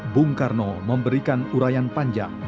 bung karno memberikan urayan panjang